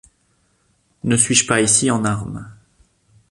Ne suis-je pas ici en armes ?